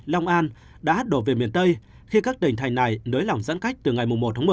long an đã đổ về miền tây khi các tỉnh thành này nới lỏng giãn cách từ ngày một một mươi